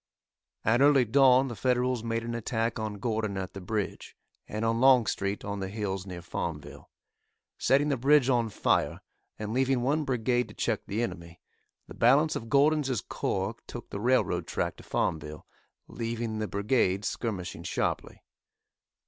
At early dawn the Federals made an attack on Gordon at the bridge, and on Longstreet on the hills near Farmville. Setting the bridge on fire, and leaving one brigade to check the enemy, the balance of Gordon's corps took the railroad track to Farmville, leaving the brigade skirmishing sharply.